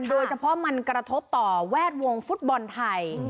โดยเฉพาะมันกระทบต่อแวดวงฟุตบอลไทย